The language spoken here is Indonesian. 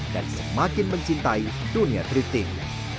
dan semakin mencintai dunia drifting